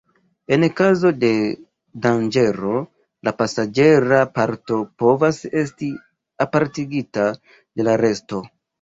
En kazo de danĝero la pasaĝera parto povas esti apartigita de la resto.